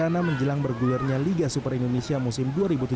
dan peradana menjelang bergulernya liga super indonesia musim dua ribu tujuh belas